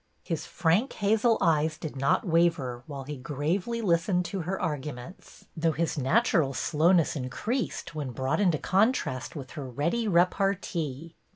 His frank hazel eyes did not waver while he gravely listened to her arguments, though his natural slowness increased when brought into contrast with her ready repartee.